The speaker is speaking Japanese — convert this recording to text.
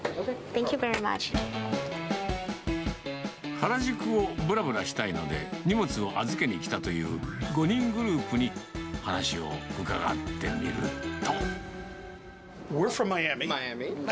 原宿をぶらぶらしたいので、荷物を預けに来たという、５人グループに話を伺ってみると。